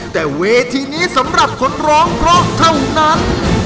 แต่เวทีนี้สำหรับคนร้องเพราะเท่านั้น